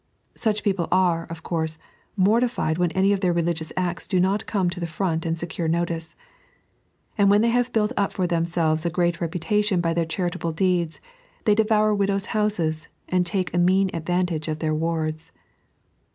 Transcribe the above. Such people are, of course, mortified when any of their religious acts do not come to the front and seciu c notice. And when they have built up for themselves a great reputation by their charitable deeds, they devour widows' houses, and take a mean advantage of their wardt.